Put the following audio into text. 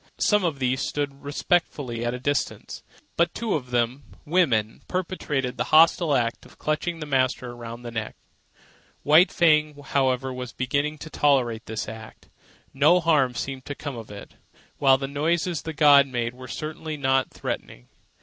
Some of these stood respectfully at a distance; but two of them, women, perpetrated the hostile act of clutching the master around the neck. White Fang, however, was beginning to tolerate this act. No harm seemed to come of it, while the noises the gods made were certainly not threatening.